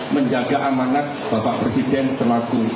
menjaga amanah bapak presiden selaku